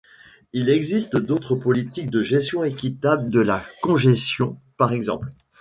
Il existe d'autres politiques de gestion équitable de la congestion, p. ex.